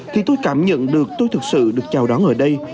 thì tôi cảm nhận được tôi thực sự được chào đón ở đây